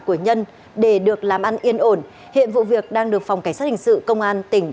của nhân để được làm ăn yên ổn hiện vụ việc đang được phòng cảnh sát hình sự công an tỉnh